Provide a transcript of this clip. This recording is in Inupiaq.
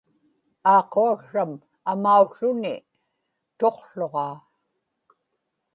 aaquaksram amaułuni tuqłuġaa